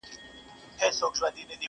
د سندرو سره غبرګي وايي ساندي!.